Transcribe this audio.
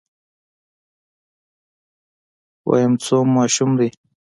ويم څووم ماشوم دی.